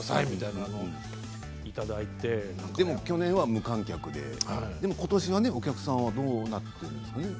でも去年は無観客で、でもことしはお客さんはどうなっているんですかね。